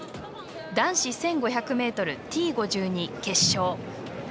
男子１５００ｍ、Ｔ５２決勝。